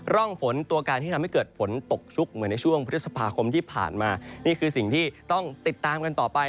ร่องฝนตัวการที่ทำให้เกิดฝนตกชุกเหมือนในช่วงพฤษภาคมที่ผ่านมานี่คือสิ่งที่ต้องติดตามกันต่อไป